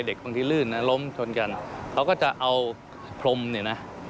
บางทีลื่นนะล้มชนกันเขาก็จะเอาพรมเนี่ยนะ